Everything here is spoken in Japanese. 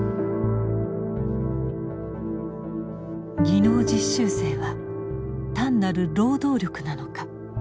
技能実習生は単なる労働力なのか。